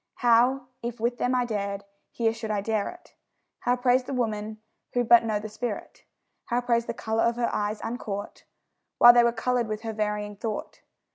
How, if with them I dared, here should I dare it? How praise the woman, who but know the spirit? How praise the colour of her eyes, uncaught While they were coloured with her varying thought?